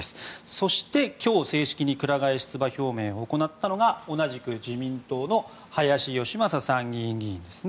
そして、今日正式にくら替え出馬表明を行ったのが同じく自民党の林芳正参議院議員ですね。